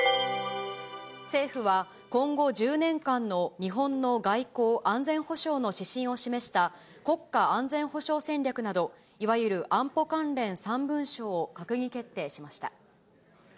政府は今後１０年間の日本の外交・安全保障の指針を示した国家安全保障戦略など、いわゆる安保関連３文書を閣議決定しました。